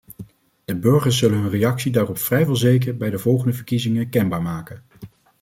De burgers zullen hun reactie daarop vrijwel zeker bij de volgende verkiezingen kenbaar maken.